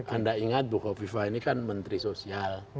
anda ingat bukofifa ini kan menteri sosial